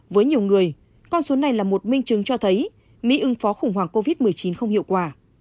với nhiều người con số này là một minh chứng cho thấy mỹ ưng phó khủng hoảng covid một mươi chín không hiệu quả